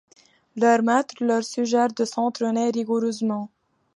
Leur maître leur suggère de s'entrainer rigoureusement.